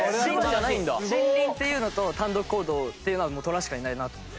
森林っていうのと単独行動っていうのはトラしかいないなと思って。